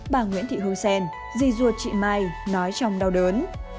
bà nguyễn thị hương sen dì ruột chị mai nói trong đau đớn